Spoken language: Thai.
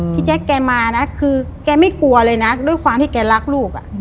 แจ๊คแกมานะคือแกไม่กลัวเลยนะด้วยความที่แกรักลูก